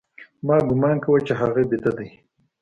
ما گومان کاوه چې هغه بيده دى.